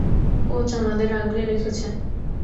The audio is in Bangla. কোচ আমাদের আগলে রেখেছেন!